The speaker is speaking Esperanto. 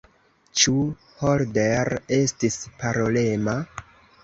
Ĉu Holder estis parolema?